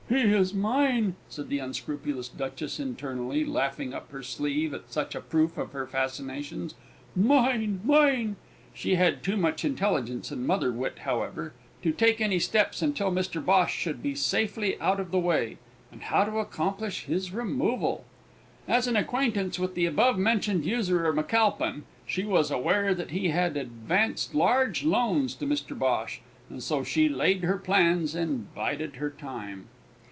"He is mine!" said the unscrupulous Duchess internally, laughing up her sleeve at such a proof of her fascinations, "mine! mine!" She had too much intelligence and mother wit, however, to take any steps until Mr Bhosh should be safely out of the way and how to accomplish his removal? As an acquaintance with the above mentioned usurer, McAlpine, she was aware that he had advanced large loans to Mr Bhosh, and so she laid her plans and bided her time.